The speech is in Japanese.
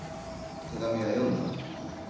手紙は読んだの？